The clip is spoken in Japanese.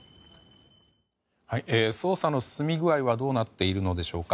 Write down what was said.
捜査の進み具合はどうなっているのでしょうか。